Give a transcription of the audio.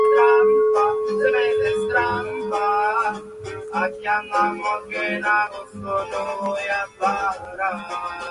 Cursó estudios en la Escuela Superior de Guerra de París.